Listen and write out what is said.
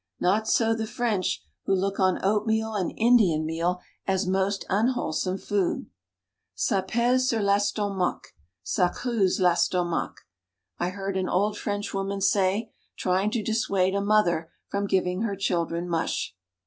Not so the French, who look on oatmeal and Indian meal as most unwholesome food. "Ça pêse sur l'estomac, ça creuse l'estomac," I heard an old Frenchwoman say, trying to dissuade a mother from giving her children mush.